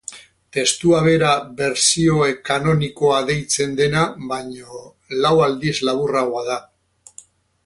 Testua bera bertsio kanonikoa deitzen dena baino lau aldiz laburragoa da.